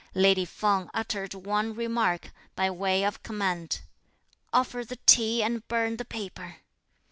Lady Feng uttered one remark, by way of command: "Offer the tea and burn the paper!"